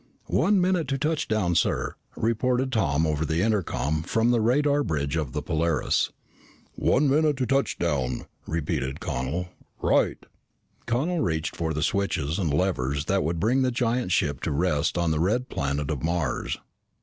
"One minute to touchdown, sir," reported Tom over the intercom from the radar bridge of the Polaris. "One minute to touchdown," repeated Connel. "Right!" Connel reached for the switches and levers that would bring the giant ship to rest on the red planet of Mars.